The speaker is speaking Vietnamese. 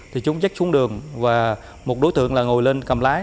thì chúng dắt xuống đường và một đối tượng là ngồi lên cầm lái